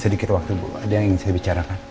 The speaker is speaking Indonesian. sedikit waktu bu ada yang ingin saya bicarakan